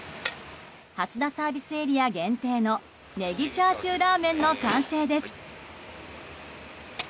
蓮田ＳＡ限定のネギチャーシューラーメンの完成です。